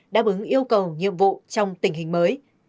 đáp ứng yêu cầu nhiệm vụ trong tình hình mới